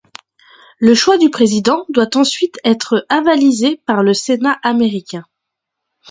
Le choix du président doit ensuite être avalisé par le Sénat américain.